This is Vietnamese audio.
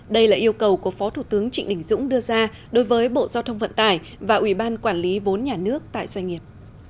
đây là yêu cầu của phó thủ tướng trịnh đình dũng đưa ra đối với bộ giao thông vận tải và ủy ban quản lý vốn nhà nước tại doanh nghiệp